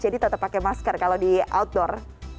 jadi tetap pakai masker kalau di outdoor